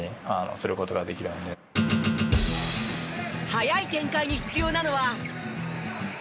速い展開に必要なのは。